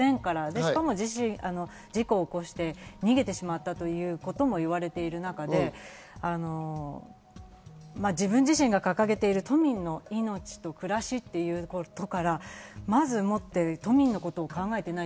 しかも事故を起こして逃げてしまったということも言われている中で、自分自身が掲げている都民の命と暮らしっていうことから、まずもって都民のことを考えていない。